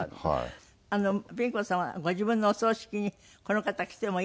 ピン子さんはご自分のお葬式にこの方は来てもいいって。